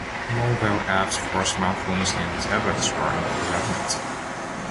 Mobile apps for smartphones and tablets are in development.